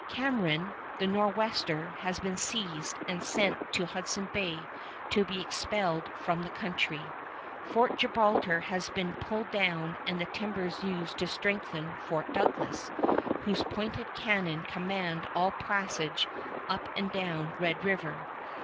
Cameron, the Nor'wester, has been seized and sent to Hudson Bay to be expelled from the country. Fort Gibraltar has been pulled down and the timbers used to strengthen Fort Douglas, whose pointed cannon command all passage up and down Red River.